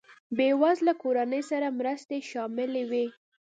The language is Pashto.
بېوزله کورنیو سره مرستې شاملې وې.